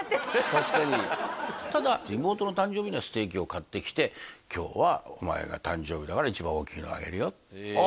確かにただ妹の誕生日にはステーキを買ってきて今日はお前が誕生日だから一番大きいのをあげるよあ